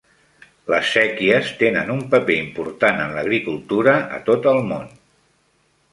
Les séquies tenen un paper important en l'agricultura a tot el món.